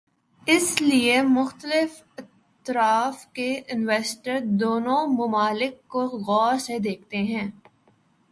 اس لیے مختلف اطراف کے انویسٹر دونوں ممالک کو غور سے دیکھتے ہیں۔